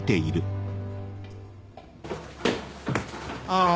ああ